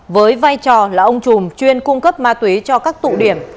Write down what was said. với vai trò là ông chùm chuyên cung cấp ma túy cho các tụ điểm